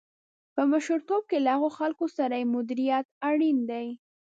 په مشرتوب کې له هغو خلکو سره یې مديريت اړين دی.